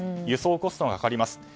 輸送コストがかかります。